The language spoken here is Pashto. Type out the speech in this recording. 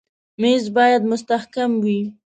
مېز باید مستحکم وي.